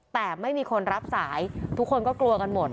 แต่ไม่มีคนรับสายทุกคนก็กลัวกันหมด